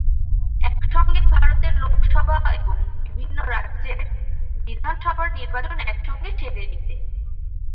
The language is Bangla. একসঙ্গে ভারতের লোকসভা এবং বিভিন্ন রাজ্যের বিধানসভার নির্বাচন একসঙ্গে সেরে নিতে।